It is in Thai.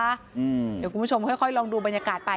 เดี๋ยวคุณผู้ชมค่อยลองดูบรรยากาศไป